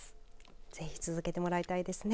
ぜひ続けてもらいたいですね。